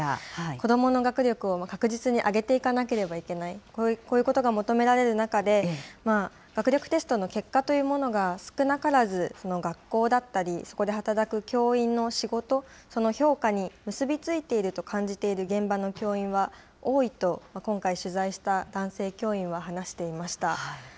子どもの学力を確実に上げていかなければいけない、こういうことが求められる中で、学力テストの結果というものが少なからず学校だったり、そこで働く教員の仕事、その評価に結び付いていると感じている現場の教員は多いと今回、取材した男性教員は話していました。